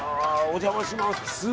お邪魔します。